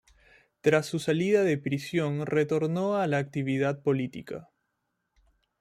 Tras su salida de prisión retornó a la actividad política.